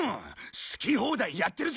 好き放題やってるぞ！